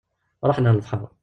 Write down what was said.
Ruḥen ɣer lebḥer.